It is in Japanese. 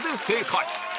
正解！